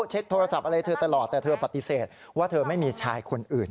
เช็คโทรศัพท์อะไรเธอตลอดแต่เธอปฏิเสธว่าเธอไม่มีชายคนอื่น